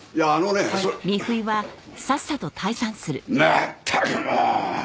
まったくもう。